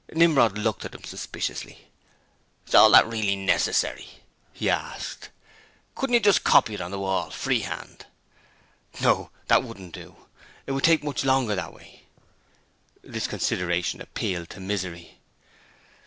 Nimrod looked at him suspiciously. 'Is all that really necessary?' he asked. 'Couldn't you just copy it on the wall, free hand?' 'No; that wouldn't do. It would take much longer that way.' This consideration appealed to Misery.